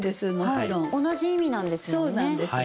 同じ意味なんですもんね。